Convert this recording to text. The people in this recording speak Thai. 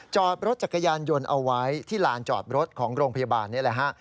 จอดรถจักรยานยนต์เอาไว้ที่ลานจอดรถของโรงพยาบาลนี่แหละฮะ